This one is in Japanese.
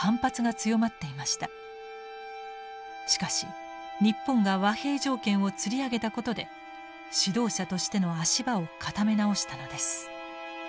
しかし日本が和平条件をつり上げたことで指導者としての足場を固め直したのです。